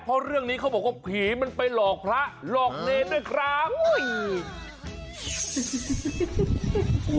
เพราะเรื่องนี้เขาบอกว่าผีมันไปหลอกพระหลอกเนรด้วยครับ